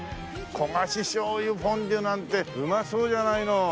焦がし醤油フォンデュなんてうまそうじゃないの！